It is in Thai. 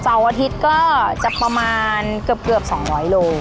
เสาร์วันอาทิตย์ก็จะประมาณเกือบ๒๐๐กิโลกรัม